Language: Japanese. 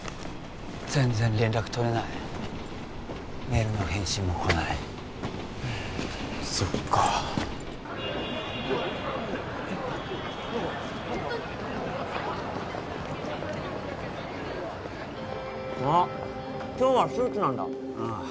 全然連絡取れないメールの返信も来ないそっか・あッ今日はスーツなんだ